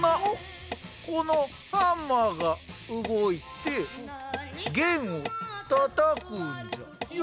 このハンマーが動いて弦をたたくんじゃよ。